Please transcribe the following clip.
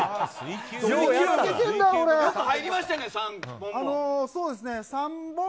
よく入りましたね、３本も。